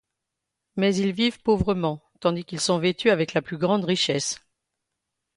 Mais ils vivent pauvrement, tandis qu'ils sont vêtus avec la plus grande richesse.